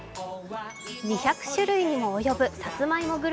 ２００種類にも及ぶさつまいも